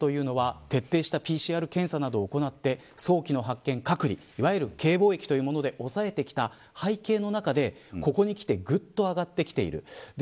これまで韓国というのは徹底したＰＣＲ検査などを行って早期の発見、隔離いわゆるＫ防疫というもので抑えてきた背景の中でここにきてぐっと上がってきている。